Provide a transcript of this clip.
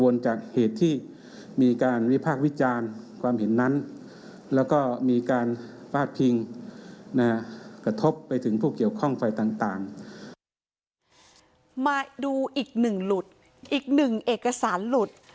มาดูอีกหนึ่งหลุดอีกหนึ่งเอกสารหลุด